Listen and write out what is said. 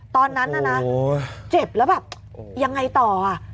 ตอนนั้นน่ะนะเจ็บแล้วแบบยังไงต่ออ่ะ